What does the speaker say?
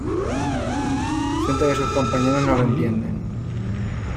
Siente que sus compañeros no lo entienden.